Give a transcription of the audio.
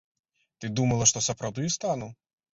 Ты думала, што сапраўды стану?